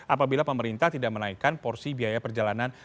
apabila pemerintah tidak menaikkan porsi biaya perjalanan